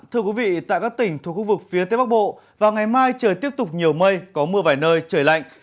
thưa quý vị tại các tỉnh thuộc khu vực phía tây bắc bộ vào ngày mai trời tiếp tục nhiều mây có mưa vài nơi trời lạnh